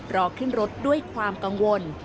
รอขึ้นรถด้วยความกังวล